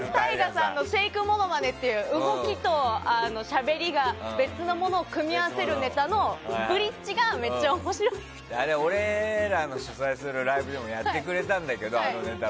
ＴＡＩＧＡさんのシェークモノマネって動きとしゃべりが別のものを組み合わせるネタのブリッジが俺らの主催するライブでもやってくれたんだけど、あのネタ。